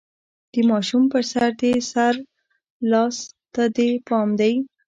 د ماشوم په سر، دې سره لاس ته دې پام دی؟